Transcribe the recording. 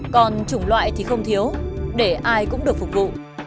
còn chủng loại thì không thiếu để ai cũng được phục vụ